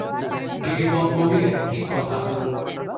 বিল্বন কহিলেন, ঠিক কথা।